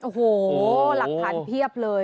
โอ้โหหลักฐานเพียบเลย